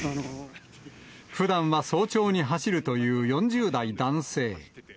ふだんは早朝に走るという４０代男性。